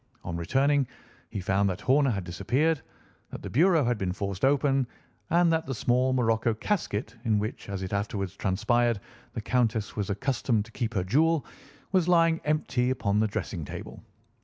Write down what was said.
On returning, he found that Horner had disappeared, that the bureau had been forced open, and that the small morocco casket in which, as it afterwards transpired, the Countess was accustomed to keep her jewel, was lying empty upon the dressing table.